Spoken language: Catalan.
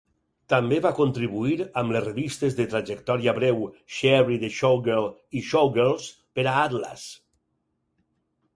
També va contribuir amb les revistes de trajectòria breu "Sherry the Showgirl" i "Showgirls" per a Atlas.